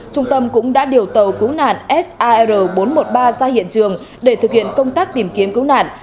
trung tâm cũng đã điều tàu cứu nạn sar bốn trăm một mươi ba ra hiện trường để thực hiện công tác tìm kiếm cứu nạn